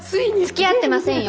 つきあってませんよ。